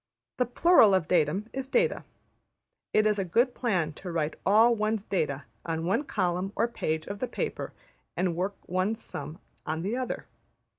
The plural of datum is data. It is a good plan to write all one's data on one column or page of the paper and work one's sum on the other.